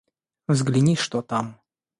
Взгляни, что там!